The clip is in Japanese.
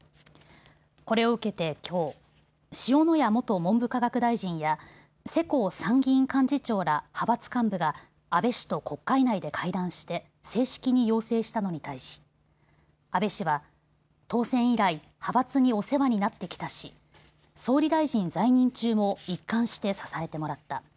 これを受けてきょう塩谷元文部科学大臣や世耕参議院幹事長ら派閥幹部が安倍氏と国会内で会談して正式に要請したのに対し、安倍氏は当選以来、派閥にお世話になってきたし総理大臣在任中も一貫して支えてもらった。